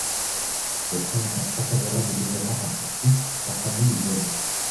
Les temps n'étant pas favorables au développement artistique, sa famille l'aide.